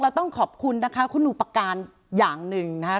ต้องขอบคุณนะคะคุณอุปการณ์อย่างหนึ่งนะคะ